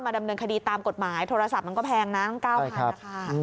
ดำเนินคดีตามกฎหมายโทรศัพท์มันก็แพงนะตั้ง๙๐๐นะคะ